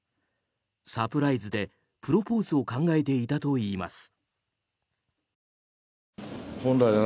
サプライズでプロポーズを考えていたといいます。